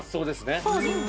そうですね